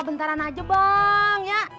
bentaran aja bang